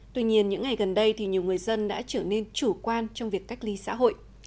tuy nhiên những ngày gần đây thì nhiều người dân đã trở nên chủ quan trong việc cách ly xã hội